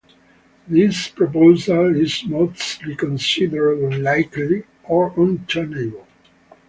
This proposal is mostly considered unlikely or untenable.